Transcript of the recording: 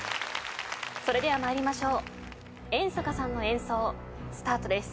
それでは参りましょう遠坂さんの演奏スタートです。